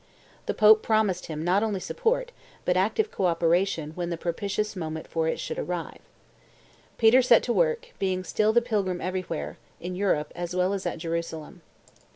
The pope promised him not only support, but active co operation when the propitious moment for it should arrive. Peter set to work, being still the pilgrim everywhere, in Europe, as well as at Jerusalem.